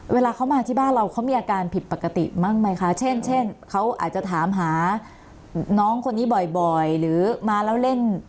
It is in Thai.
เวลาเขามาที่บ้านเราเขามีอาการผิดปกติบ้างไหมคะเช่นเช่นเขาอาจจะถามหาน้องคนนี้บ่อยหรือมาแล้วเล่น